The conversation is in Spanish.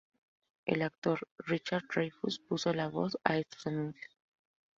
El actor Richard Dreyfuss puso la voz a estos anuncios.